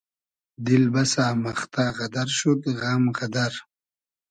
دیل بئسۂ مئختۂ غئدئر شود غئم غئدئر